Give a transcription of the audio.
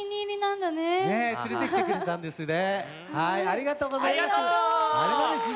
ありがとうございます。